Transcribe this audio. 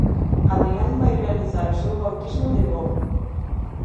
Hadrián vai realizar o seu bautismo de voo.